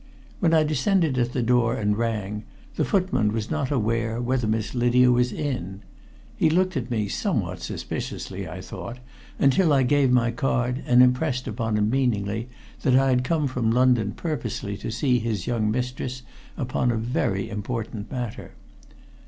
When I descended at the door and rang, the footman was not aware whether Miss Lydia was in. He looked at me somewhat suspiciously, I thought, until I gave my card and impressed upon him meaningly that I had come from London purposely to see his young mistress upon a very important matter.